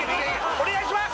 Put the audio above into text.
お願いします